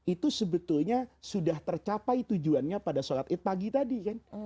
itu sebetulnya sudah tercapai tujuannya pada sholat id pagi tadi kan